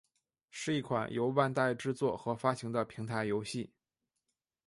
是一款由万代制作和发行的平台游戏。